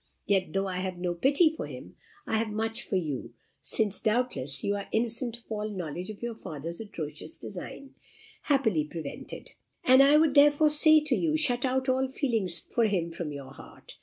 Yet though I have no pity for him, I have much for you, since, doubtless, you are innocent of all knowledge of your father's atrocious design happily prevented. And I would therefore say to you, shut out all feelings for him from your heart.